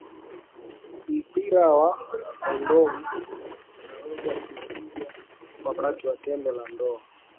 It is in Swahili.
mpira wa kondomu unaweza kuvuja wakati wa tendo la ndoa